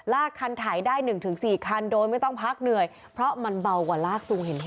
ลากคันถ่ายได้หนึ่งถึงสี่คันโดยไม่ต้องพักเหนื่อยเพราะมันเบากว่าลากสูงเห็น